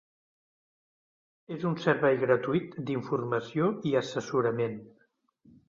És un servei gratuït d'informació i assessorament.